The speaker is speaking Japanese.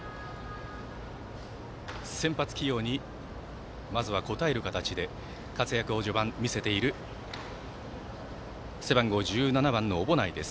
先発起用にまずは応える形で活躍を序盤、見せている背番号１７番の小保内です。